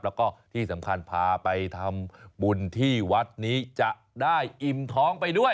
แล้วก็ที่สำคัญพาไปทำบุญที่วัดนี้จะได้อิ่มท้องไปด้วย